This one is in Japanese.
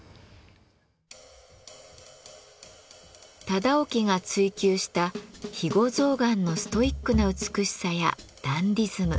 忠興が追究した肥後象がんのストイックな美しさやダンディズム。